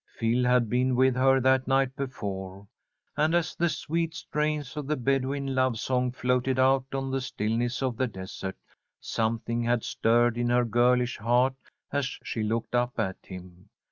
Phil had been with her that night before, and, as the sweet strains of the Bedouin love song floated out on the stillness of the desert, something had stirred in her girlish heart as she looked up at him.